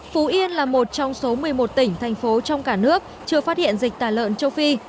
phú yên là một trong số một mươi một tỉnh thành phố trong cả nước chưa phát hiện dịch tả lợn châu phi